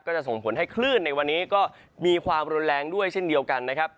จะส่งผลให้คลื่นในวันนี้ก็มีความรุนแรงด้วยเช่นเดียวกันนะครับ